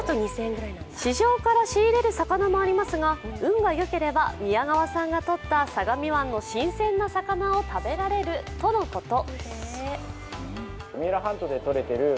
市場から仕入れる魚もありますが運がよければ宮川さんがとった相模湾の新鮮な魚を食べられるとのこと。